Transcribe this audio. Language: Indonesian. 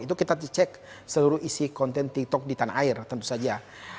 itu kita cek seluruh isi konten tiktok di tanah air tentu saja